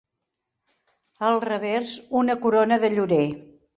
Al revers, una corona de llorer.